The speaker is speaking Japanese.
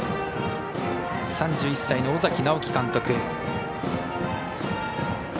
３１歳の尾崎直輝監督。